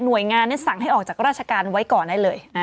โดยงานสั่งให้ออกจากราชการไว้ก่อนได้เลย